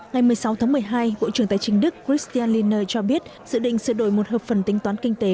ngày một mươi sáu tháng một mươi hai bộ trưởng tài chính đức christial linner cho biết dự định sửa đổi một hợp phần tính toán kinh tế